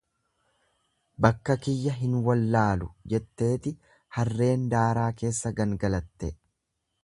Bakka kiyya hin wallaalu jetteeti harreen daaraa keessa gangalatte.